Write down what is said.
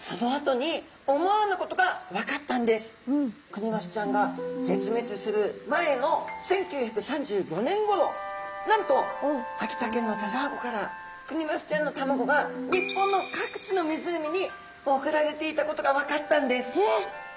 クニマスちゃんが絶滅する前の１９３５年ごろなんと秋田県の田沢湖からクニマスちゃんの卵が日本の各地の湖に送られていたことが分かったんです。